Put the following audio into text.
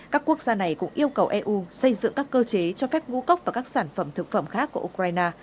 các quốc gia này cũng yêu cầu eu xây dựng các cơ chế cho phép ngũ cốc và các sản phẩm thực phẩm khác của ukraine